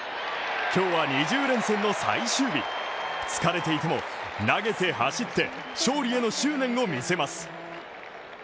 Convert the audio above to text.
今日は２０連戦の最終日疲れていても、投げて走って勝利への執念を見せます。